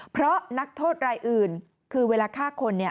เพราะนักโทษรายอื่นคือเวลาฆ่าคน